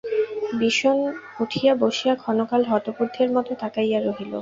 বিষন উঠিয়া বসিয়া ক্ষণকাল হতবুদ্ধির মতো তাকাইয়া রহিল।